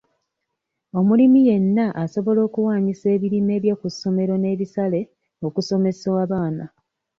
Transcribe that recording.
Omulimi yenna asobola okuwaanyisa ebirime bye ku ssomero n'ebisale okusomesa abaana.